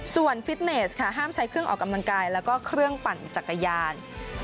ส่วนฟิตเนสค่ะห้ามใช้เครื่องออกกำลังกายแล้วก็เครื่องปั่นจักรยาน